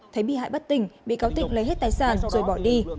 thấy bị hại bắt tịnh bị cáo tịnh lấy hết tài sản rồi bỏ đi